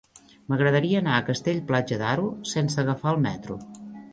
M'agradaria anar a Castell-Platja d'Aro sense agafar el metro.